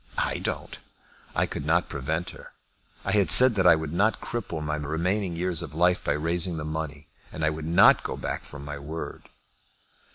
I don't. I could not prevent her. I had said that I would not cripple my remaining years of life by raising the money, and I could not go back from my word."